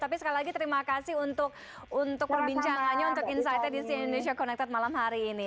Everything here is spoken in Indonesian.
tapi sekali lagi terima kasih untuk perbincangannya untuk insightnya di si indonesia connected malam hari ini